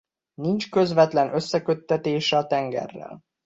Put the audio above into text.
Nincs közvetlen összeköttetése a tengerrel.